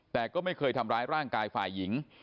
แต่ก็ไม่เคยทำร้ายร่างกายฝ่ายหญิง